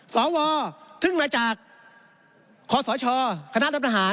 สวซึ่งมาจากขสชครัฐประหาร